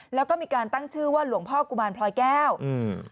แล้วก็มีการตั้งชื่อว่าหลวงพ่อกุมารพลอยแก้วอืม